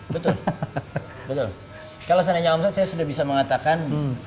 betul betul kalau seandainya omset saya sudah bisa mengatakan